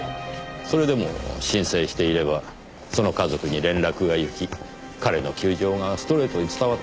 それでも申請していればその家族に連絡がいき彼の窮状がストレートに伝わったはずです。